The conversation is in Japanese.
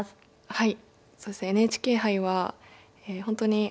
はい。